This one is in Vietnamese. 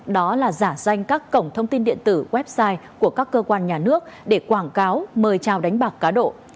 đó là giả danh các cổng thông tin điện tử website của các cơ quan nhà nước để quảng cáo mời trao đánh bạc cá độ